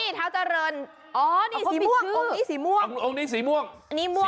นี่ท้าวเจริญอ๋อนี่สีม่วงองค์นี้สีม่วงองค์นี้สีม่วง